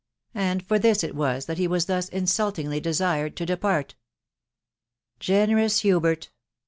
And for this it was that he was thus insultingly desired to •depart. Generous Hubert